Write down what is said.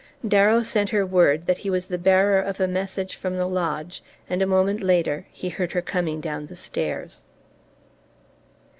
Darrow sent her word that he was the bearer of a message from the lodge, and a moment later he heard her coming down the stairs.